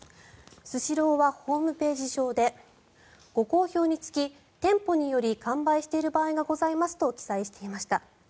スシローはホームページ上でご好評につき店舗により完売している場合がありますと記載していました。